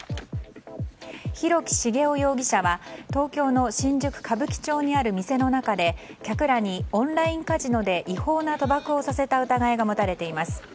広木茂雄容疑者は東京の新宿・歌舞伎町にある店の中で客らにオンラインカジノで違法な賭博をさせた疑いが持たれています。